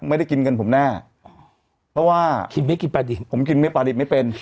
ไม่ได้กินเงินผมแน่เพราะว่าผมกินปลาดิบไม่เป็น